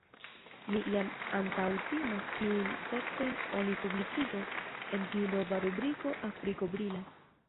Mi jam antaŭtimas kiujn tekstojn oni publikigos en tiu nova rubriko “Afriko brilas”.